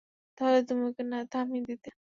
তাহলে তুমি ওকে থামিয়ে দিতে।